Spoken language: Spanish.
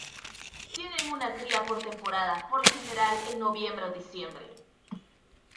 Tienen una cría por temporada, por lo general en noviembre o diciembre.